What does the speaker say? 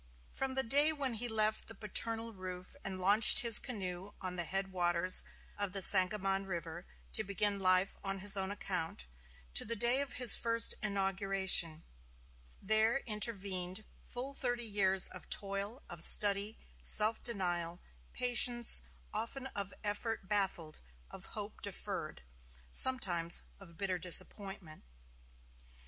From the day when he left the paternal roof and launched his canoe on the head waters of the Sangamon River to begin life on his own account, to the day of his first inauguration, there intervened full thirty years of toil, of study, self denial, patience; often of effort baffled, of hope deferred; sometimes of bitter disappointment.